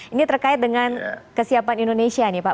ini terkait dengan kesiapan indonesia nih pak